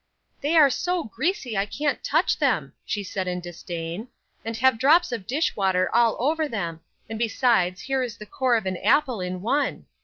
"They are so greasy I can't touch them!" she said in disdain, "and have drops of dish water all over them, and besides here is the core of an apple in one.